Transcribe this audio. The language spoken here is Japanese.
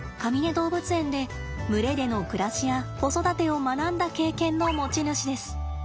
動物園で群れでの暮らしや子育てを学んだ経験の持ち主です。